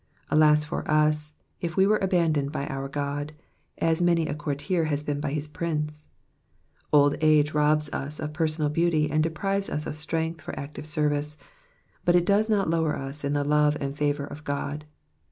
Alas for us, if we were abandoned by our God, as many a courtier has been by his prince 1 Old age robs us of personal beauty, and deprives us of strength for active service ; but it does not lower us in the love and lavour of God.